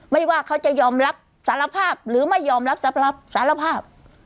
ว่าเขาจะยอมรับสารภาพหรือไม่ยอมรับสารภาพ